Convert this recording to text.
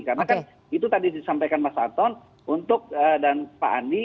karena kan itu tadi disampaikan mas anton untuk dan pak andi